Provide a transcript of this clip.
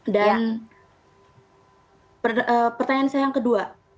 dan pertanyaan saya yang kedua